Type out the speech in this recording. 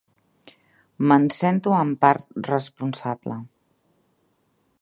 Me'n sento en part responsable.